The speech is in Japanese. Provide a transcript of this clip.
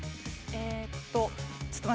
えーっと。